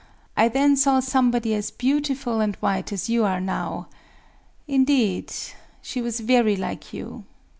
I then saw somebody as beautiful and white as you are now—indeed, she was very like you."...